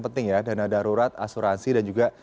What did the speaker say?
penting ya dana darurat asuransi dan juga